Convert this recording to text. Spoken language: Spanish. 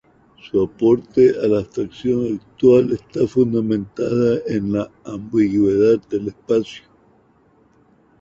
Su aporte a la abstracción actual está fundamentado en la ambigüedad del espacio.